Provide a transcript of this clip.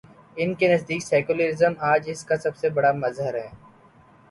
ان کے نزدیک سیکولرازم، آج اس کا سب سے بڑا مظہر ہے۔